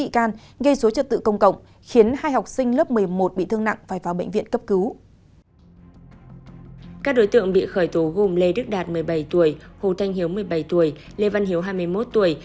các đối tượng bị khởi tố gồm lê đức đạt một mươi bảy tuổi hồ thanh hiếu một mươi bảy tuổi lê văn hiếu hai mươi một tuổi